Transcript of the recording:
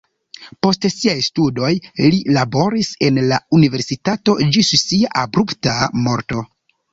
Post siaj studoj li laboris en la universitato ĝis sia abrupta morto.